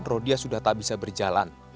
rodia sudah tak bisa berjalan